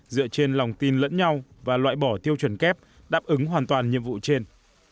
dựa trên lòng tin lẫn nhau và loại bỏ tiêu chuẩn kép đáp ứng hoàn toàn nhiệm vụ trên